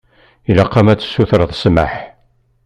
Ilaq-am ad tsutreḍ ssmaḥ.